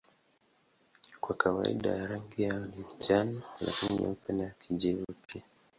Kwa kawaida rangi yao ni njano lakini nyeupe na kijivu pia.